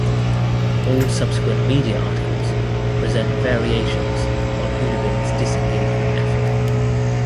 All subsequent media articles present variations on Houdebine's disengagement effort.